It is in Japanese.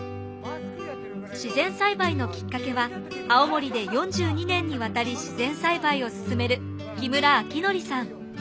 自然栽培のきっかけは青森で４２年にわたり自然栽培を進める木村秋則さん。